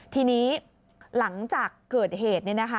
ทีนี้หลังจากเกิดเหตุ